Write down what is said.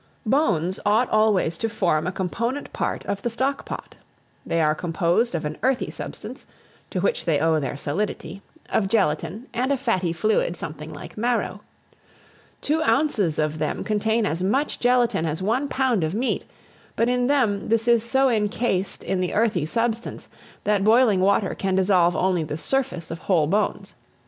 BONES ought always to form a component part of the stock pot. They are composed of an earthy substance, to which they owe their solidity, of gelatine, and a fatty fluid, something like marrow. Two ounces of them contain as much gelatine as one pound of meat; but in them, this is so incased in the earthy substance, that boiling water can dissolve only the surface of whole bones.